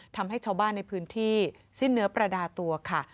ทำให้ชาวบ้านในพื้นที่สิ้นเนื้อประดาตัวค่ะ